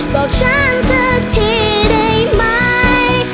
บอกฉันสักทีได้ไหม